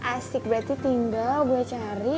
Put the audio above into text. asik berarti tinggal gue cari